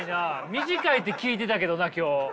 短いって聞いてたけどな今日。